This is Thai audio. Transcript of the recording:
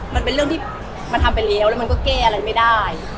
มันเป็นเรื่องที่มันทำไปแล้วแล้วมันก็แก้อะไรไม่ได้